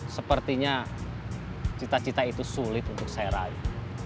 sepertinya cita cita itu sulit untuk saya raih